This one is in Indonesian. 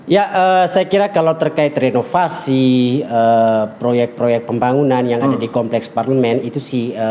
ya saya kira kalau terkait renovasi proyek proyek pembangunan yang ada di kompleks parlemen itu sih